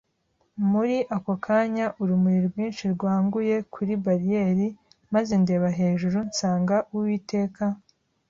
Muri ako kanya, urumuri rwinshi rwanguye kuri barriel, maze ndeba hejuru, nsanga Uwiteka